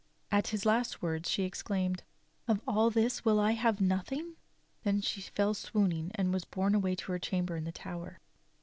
At his last words, she exclaimed; "Of all this will I have nothing!" Then she fell swooning and was borne away to her chamber in the tower.